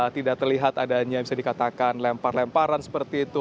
tidak terlihat adanya bisa dikatakan lempar lemparan seperti itu